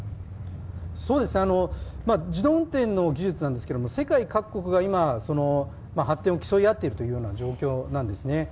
自動運転技術なんですけども世界各国が今、発展を競い合っているという状況なんですね。